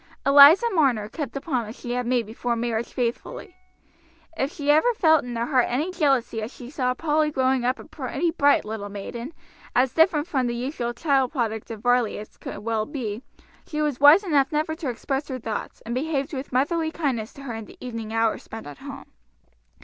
Eliza Marner kept the promise she had made before marriage faithfully. If she ever felt in her heart any jealousy as she saw Polly growing up a pretty bright little maiden, as different to the usual child product of Varley as could well be, she was wise enough never to express her thoughts, and behaved with motherly kindness to her in the evening hours spent at home.